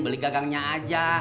beli gagangnya aja